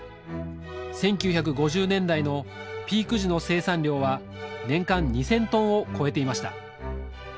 １９５０年代のピーク時の生産量は年間２，０００トンを超えていました。